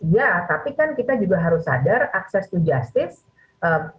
ya tapi kan kita juga harus sadar access to justice